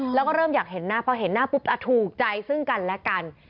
แล้วก็เริ่มอยากเห็นหน้าพอเห็นหน้าปุ๊บถูกใจซึ่งกันและกัน